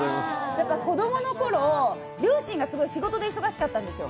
子供のころ、両親が仕事で忙しかったんですよ。